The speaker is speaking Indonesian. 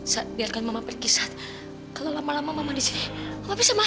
saat biarkan mama pergi saat kalau lama lama mama di sini mama bisa mati